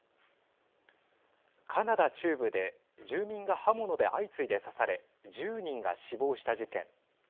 カナダ中部で住民が刃物で相次いで刺され１０人が死亡した事件。